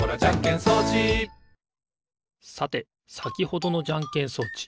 さてさきほどのじゃんけん装置。